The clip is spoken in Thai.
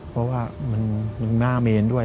เพราะว่ามันหน้าเมนด้วย